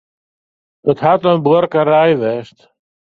It hat in buorkerij west.